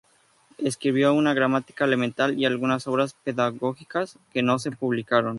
Escribió una gramática elemental y algunas obras pedagógicas que no se publicaron.